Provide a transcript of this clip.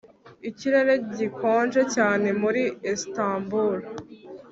Ikirere gikonje cyane muri Istanbul